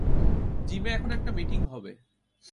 জিমে এখন একটা মিটিং হবে।